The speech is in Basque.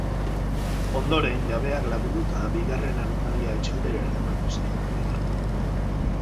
Ondoren, jabeak lagunduta, bigarren animalia etxaldera eramaten saiatu dira.